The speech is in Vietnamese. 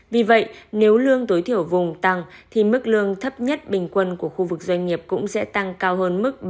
vì vậy nếu lương tối thiểu vùng tăng thì mức lương thấp nhất bình quân của khu vực doanh nghiệp cũng sẽ tăng cao hơn mức ba chín triệu đồng hiện nay